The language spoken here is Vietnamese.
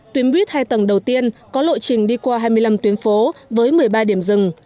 tuyến buýt hai tầng đầu tiên có lộ trình đi qua hai mươi năm tuyến phố với một mươi ba điểm rừng